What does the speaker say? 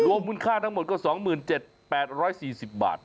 มูลค่าทั้งหมดก็๒๗๘๔๐บาท